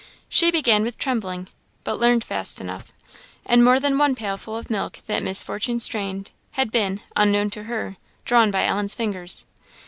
She began with trembling, but learnt fast enough; and more than one pailful of milk that Miss Fortune strained, had been, unknown to her, drawn by Ellen's fingers.